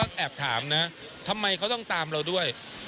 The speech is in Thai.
ก็แอบถามนะทำไมเขาต้องตามเราด้วย